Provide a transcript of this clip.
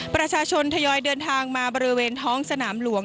ประชาชนทยอยเดินทางมาบริเวณท้องสนามหลวง